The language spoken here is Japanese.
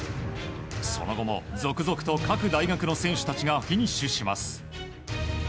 その後も続々と各大学の選手たちがフィニッシュします。